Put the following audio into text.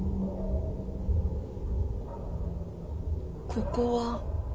ここは？